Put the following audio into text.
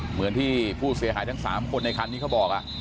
เหมือนที่ผู้เสียหายทั้ง๓คนในคันนี้เขาบอก